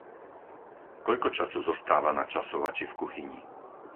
Koľko času zostáva na časovači v kuchyni?